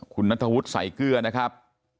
คุณรัฐวุธใส่เกลือนะครับ